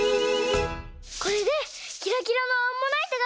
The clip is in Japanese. これでキラキラのアンモナイトがつくれそう。